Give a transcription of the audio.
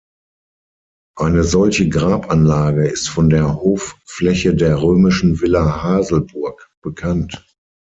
Eine solche Grabanlage ist von der Hoffläche der römischen Villa Haselburg bekannt.